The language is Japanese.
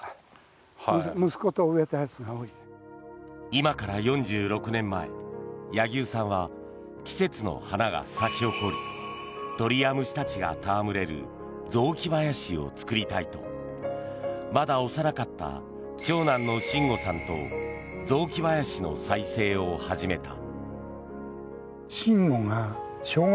今から４６年前柳生さんは季節の花が咲き誇る鳥や虫たちが戯れる雑木林を作りたいとまだ幼かった長男の真吾さんと雑木林の再生を始めた。